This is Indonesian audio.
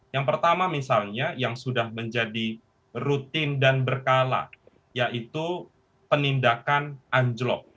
yang pertama misalnya yang sudah menjadi rutin dan berkala yaitu penindakan anjlok